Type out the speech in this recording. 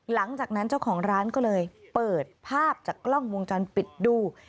หลังจากนั้นเจ้าของร้านก็เลยเปิดภาพจากกล้องวงจรปิดดู